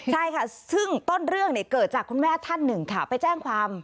ใช่ค่ะซึ่งต้นเรื่องเกิดจากคุณแม่ท่านหนึ่งค่ะไปแจ้งความ